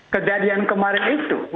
kejadian kemarin itu